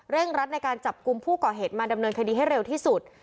รัดในการจับกลุ่มผู้ก่อเหตุมาดำเนินคดีให้เร็วที่สุด